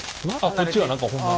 こっちは何かホンマに。